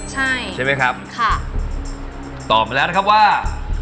ใช่ไหมครับค่ะตอบมาแล้วนะครับว่า